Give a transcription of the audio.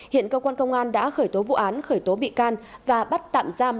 hiện công an đã khởi tố vụ án khởi tố bị can và bắt tạm giam